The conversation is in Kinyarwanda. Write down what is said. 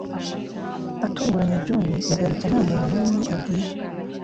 atunguranye Johnny yagarutse nta munu numwe abwiye